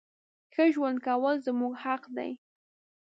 ښه ژوند کول زمونږ حق ده.